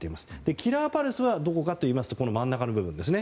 キラーパルスはどこかといいますと真ん中の部分です。